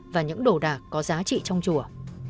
và những đồ đạc có giá trị trong chùa